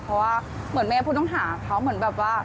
เพราะว่าเหมือนแม่ผู้ต้องหาเขาเหมือนแบบว่า